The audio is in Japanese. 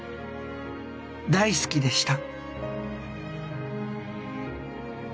大好きでした」。